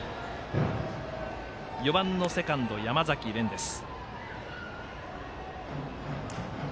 ４番のセカンド、山崎漣音です。